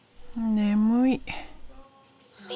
眠い。